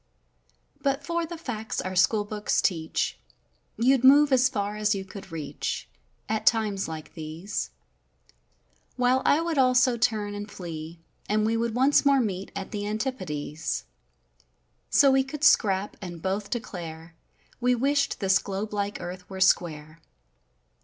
O' But for the facts our school books teach, you'd move as far as you could reach At times like these, While I would also turn and flee, and we would once more meet at the Antipodes. S // 'Ilf So we could scrap, and both declare we wished this globe like earth were square.